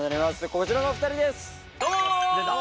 こちらのお二人ですどうもー！